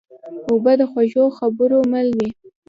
اوبه د خوږو خبرو مل وي.